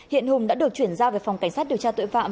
hiện hùng đã được chuyển giao về phòng cảnh sát điều tra tội phạm